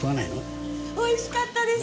美味しかったです！